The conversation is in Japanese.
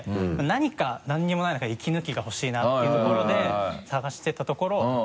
なにか何にもない中で息抜きがほしいなっていうところで探してたところ。